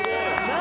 何？